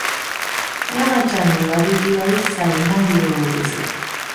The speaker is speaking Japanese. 山ちゃんに悪気は一切ないようです